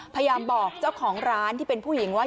พยายามบอกเจ้าของร้านที่เป็นผู้หญิงว่า